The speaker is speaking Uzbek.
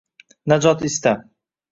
Najot istab